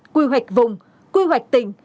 quy hoạch vùng quy hoạch tỉnh